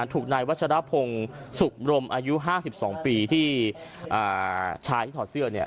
ถูกนายวัชรพงศ์สุขบรมอายุ๕๒ปีที่ชายที่ถอดเสื้อเนี่ย